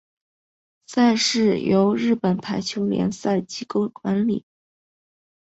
赛事由日本排球联赛机构管理。